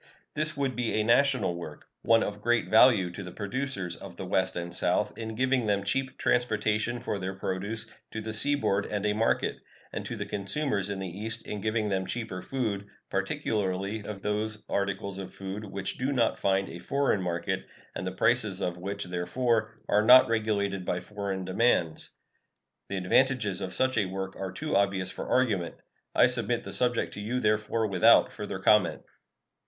This would be a national work; one of great value to the producers of the West and South in giving them cheap transportation for their produce to the seaboard and a market, and to the consumers in the East in giving them cheaper food, particularly of those articles of food which do not find a foreign market, and the prices of which, therefore, are not regulated by foreign demands. The advantages of such a work are too obvious for argument. I submit the subject to you, therefore, without further comment.